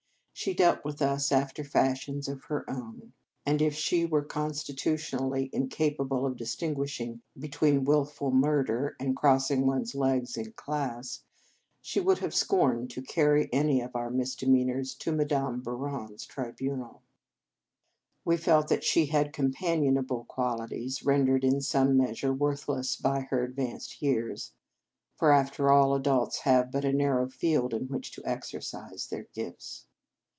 She dealt with us after fashions of her own ; and, if she 231 In Our Convent Days were constitutionally incapable of dis tinguishing between wilful murder and crossing one s legs in class, she would have scorned to carry any of our misdemeanours to Madame Bou ron s tribunal. We felt that she had companionable qualities, rendered in some measure worthless by her ad vanced years; for, after all, adults have but a narrow field in which to exercise their gifts.